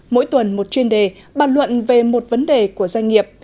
mỗi tuần một chuyên đề bàn luận về một vấn đề của doanh nghiệp